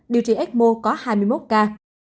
điều trị ecmo có hai mươi một ca